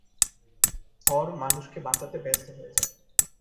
থর মানুষকে বাঁচাতে ব্যস্ত হয়ে যায়।